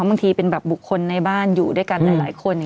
บางทีเป็นแบบบุคคลในบ้านอยู่ด้วยกันหลายคน